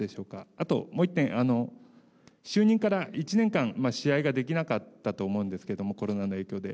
あと、もう一点、就任から１年間、試合ができなかったと思うんですけれども、コロナの影響で。